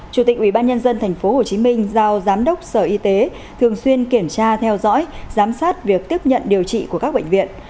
chủ tịch ubnd tp hcm giao giám đốc sở y tế thường xuyên kiểm tra theo dõi giám sát việc tiếp nhận điều trị của các bệnh viện